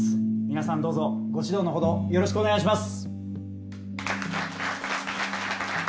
皆さんどうぞご指導のほどよろしくお願いします！